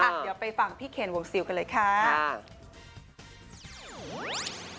เดี๋ยวไปฟังพี่เคนวงซิลกันเลยค่ะ